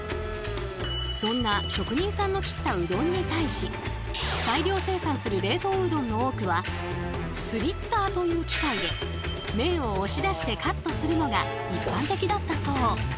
そんな職人さんの切ったうどんに対しスリッターという機械で麺を押し出してカットするのが一般的だったそう。